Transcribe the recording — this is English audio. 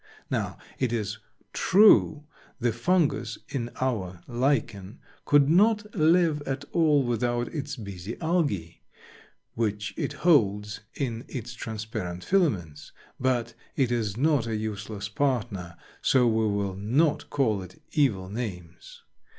Now, it is true the Fungus in our Lichen could not live at all without its busy Algae, which it holds in its transparent filaments, but it is not a useless partner, so we will not call it evil names.